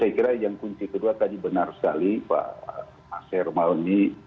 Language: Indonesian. saya kira yang kunci kedua tadi benar sekali pak mas hermawani